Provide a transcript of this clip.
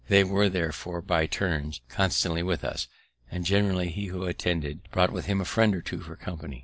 They were therefore, by turns, constantly with us, and generally he who attended, brought with him a friend or two for company.